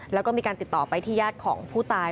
แล้วก็มีการติดต่อไปที่ญาติของผู้ตาย